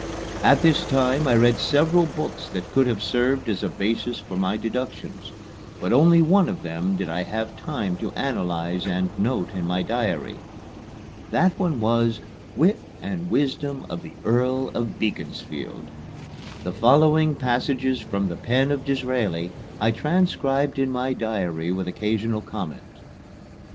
At this time I read several books that could have served as a basis for my deductions, but only one of them did I have time to analyze and note in my diary. That one was, "Wit and Wisdom of the Earl of Beaconsfield." The following passages from the pen of Disraeli I transcribed in my diary with occasional comment.